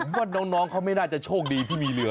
ว่าน้องไม่น่าจะโชคดีเพราะมีเรือ